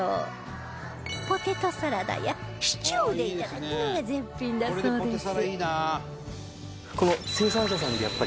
ポテトサラダやシチューで頂くのが絶品だそうです